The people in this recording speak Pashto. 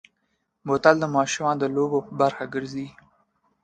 بوتل د ماشومو د لوبو برخه ګرځي.